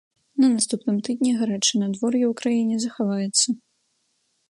На наступным тыдні гарачае надвор'е ў краіне захаваецца.